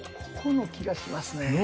ここの気がしますね。